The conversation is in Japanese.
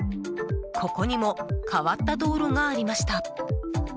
ここにも変わった道路がありました。